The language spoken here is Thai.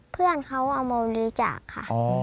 เพื่อนเขาเอามาบริจาคค่ะ